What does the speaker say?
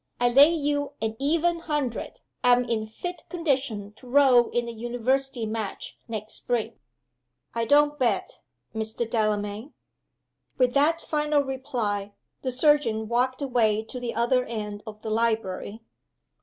"I lay you an even hundred I'm in fit condition to row in the University Match next spring." "I don't bet, Mr. Delamayn." With that final reply the surgeon walked away to the other end of the library.